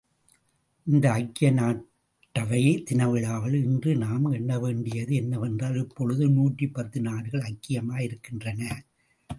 இந்த ஐக்கிய நாட்டவை தினவிழாவில் இன்று நாம் எண்ண வேண்டியது என்னவென்றால், இப்பொழுது நூற்றி பத்து நாடுகள் ஐக்கியமாகியிருக்கின்றன.